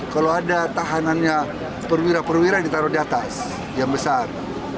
kalau ada tahanannya perwira perwira ditaruh di atas yang besar